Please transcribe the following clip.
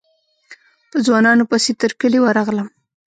په ځوانانو پسې تر کلي ورغلم.